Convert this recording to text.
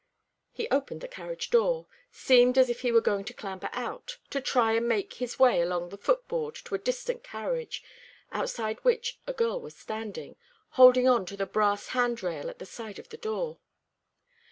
He opened the carriage door, seemed as if he were going to clamber out, to try and make his way along the footboard to a distant carriage, outside which a girl was standing, holding on to the brass hand rail at the side of the door.